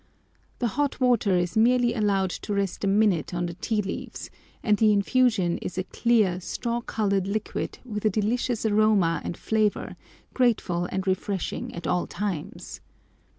The hot water is merely allowed to rest a minute on the tea leaves, and the infusion is a clear straw coloured liquid with a delicious aroma and flavour, grateful and refreshing at all times.